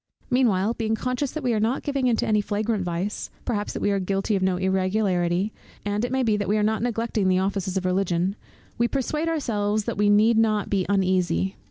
Meanwhile, being conscious that we are not giving into any flagrant vice, perhaps that we are guilty of no irregularity, and it may be, that we are not neglecting the offices of Religion, we persuade ourselves that we need not be uneasy.